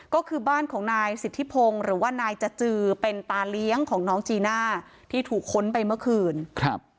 ก็คือบ้านของนายสิทธิพงศ์หรือว่านายจจือเป็นตาเลี้ยงของน้องจีน่าที่ถูกค้นไปเมื่อคืนครับ